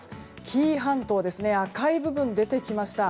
紀伊半島赤い部分出てきました。